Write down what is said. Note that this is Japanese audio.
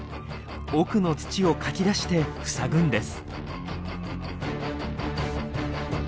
奥の土をかき出して塞ぐんです。